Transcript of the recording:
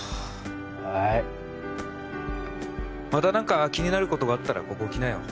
はいまた何か気になることがあったらここ来なよ